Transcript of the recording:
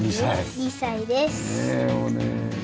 ２歳です。